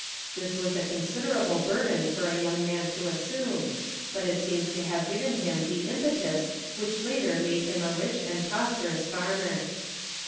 This was a considerable burden for a young man to assume, but it seems to have given him the impetus which later made him a rich and prosperous farmer.